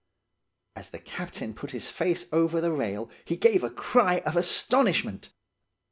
"As the captain put his face over the rail, he gave a cry of astonishment.